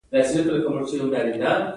پاک او مقدس سړی